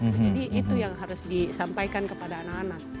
jadi itu yang harus disampaikan kepada anak anak